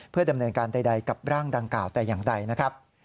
เพื่อดำเนินการใดกับร่างดังกล่าวแต่อย่างใดนะครับ